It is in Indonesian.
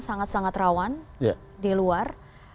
sangat sangat rawan di luar